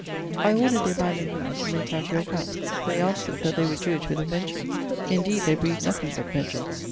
I ordered the abandoned women to make out your account. They answered, That they would do it with a vengeance. Indeed they breathe nothing but vengeance.